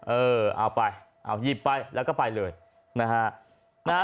เออเอาไปเอาหยิบไปแล้วก็ไปเลยนะฮะ